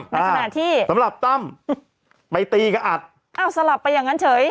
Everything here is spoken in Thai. ในขณะที่สำหรับตั้มไปตีกับอัดอ้าวสลับไปอย่างนั้นเฉย